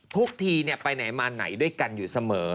ทุกทีไปไหนมาไหนด้วยกันอยู่เสมอ